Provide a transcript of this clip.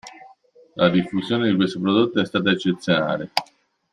La diffusione di questo prodotto è stata eccezionale.